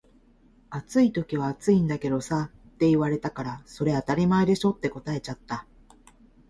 「暑い時は暑いんだけどさ」って言われたから「それ当たり前でしょ」って答えちゃった